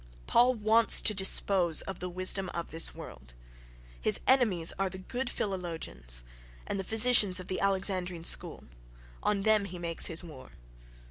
Paul wants to dispose of the "wisdom of this world": his enemies are the good philologians and physicians of the Alexandrine school—on them he makes his war.